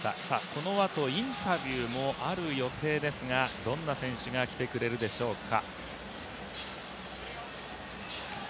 このあとインタビューもある予定ですが、どんな選手が来てくれるでしょうか？